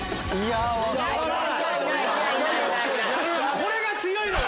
これが強いのよ！